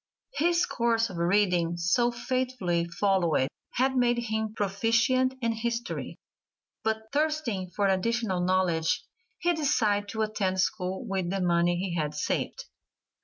His course of reading, so faithfully followed, had made him proficient in history, but thirsting for additional knowledge he decided to attend school with the money he had saved.